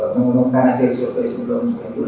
mengumumkan aja survei sebelum bobyut